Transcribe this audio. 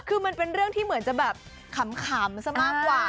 คือมันเป็นเรื่องที่เหมือนจะแบบขำซะมากกว่า